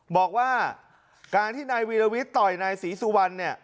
บอกว่าการที่นายวีรวิทย์ต่อยนายศรีสุวรรณเนี่ย